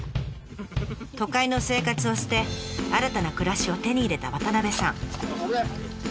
都会の生活を捨て新たな暮らしを手に入れた渡部さん。